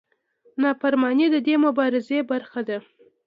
نافرماني د دې مبارزې برخه ده.